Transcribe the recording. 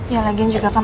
ya lagi juga kan